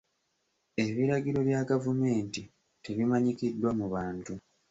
Ebiragiro bya gavumenti tebimanyikiddwa mu bantu.